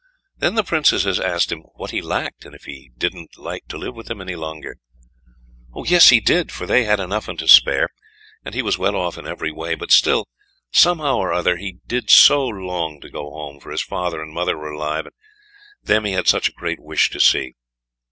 Then the Princesses asked him what he lacked, and if he didn't like to live with them any longer? Yes, he did, for they had enough and to spare, and he was well off in every way, but still somehow or other he did so long to go home, for his father and mother were alive, and them he had such a great wish to see.